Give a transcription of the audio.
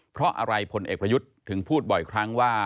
เพราะอะไรพลเอกประยุทธ์ถึงพูดบ่อยครั้งว่า